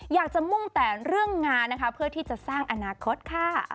อยากจะมุ่งแตนเรื่องงานเพื่อที่จะสร้างอนาคต